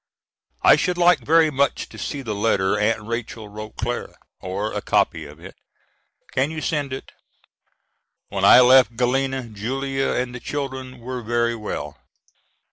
I should like very much to see the letter Aunt Rachel wrote Clara! or a copy of it. Can't you send it? When I left Galena, Julia and the children were very well.